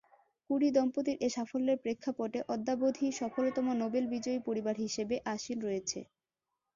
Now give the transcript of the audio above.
Curie দম্পতির এ সাফল্যের প্রেক্ষাপটে অদ্যাবধি সফলতম নোবেল বিজয়ী পরিবার হিসেবে আসীন রয়েছে।